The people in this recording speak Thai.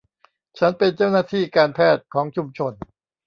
ฉันเป็นเจ้าหน้าที่การแพทย์ของชุมชน